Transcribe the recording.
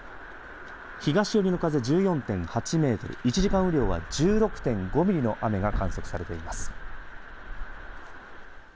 東寄りの風、１４．８メートル１時間雨量は１６．５ミリの雨が観測されています。